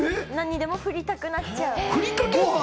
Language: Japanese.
何にでもふりかけたくなっちゃう。